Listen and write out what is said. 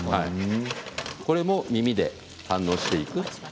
これも耳で反応していく。